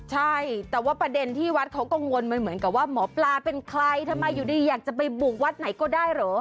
ใช่แต่ว่าประเด็นที่วัดเขากังวลมันเหมือนกับว่าหมอปลาเป็นใครทำไมอยู่ดีอยากจะไปบุกวัดไหนก็ได้เหรอ